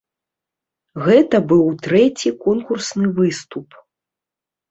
Гэта быў трэці конкурсны выступ.